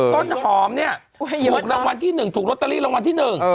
ต้นหอมเนี่ยถูกรางวัลที่๑ถูกลอตเตอรี่รางวัลที่๑